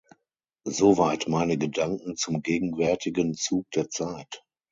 Soweit meine Gedanken zum gegenwärtigen Zug der Zeit.